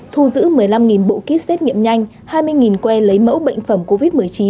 thu giữ một mươi năm bộ kit xét nghiệm nhanh hai mươi que lấy mẫu bệnh phẩm covid một mươi chín